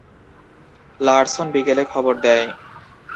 Larson বিকেলে খবর দেয়।